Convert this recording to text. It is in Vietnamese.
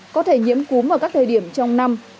có thể nhiễm cúm vào các thời điểm trong năm